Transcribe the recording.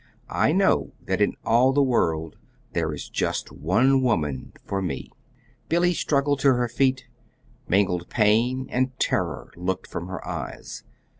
I know that in all the world there is just one woman for me." Billy struggled to her feet. Mingled pain and terror looked from her eyes.